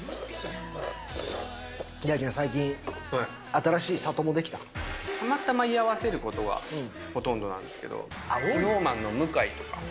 大ちゃん、最近、たまたま居合わせることがほとんどなんですけど、ＳｎｏｗＭａｎの向井。